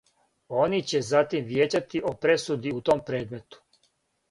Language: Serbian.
Они ће затим вијећати о пресуди у том предмету.